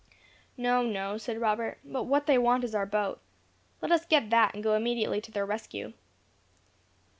"No, no," said Robert, "what they want is our boat. Let us get that, and go immediately to their rescue."